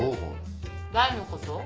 誰のこと？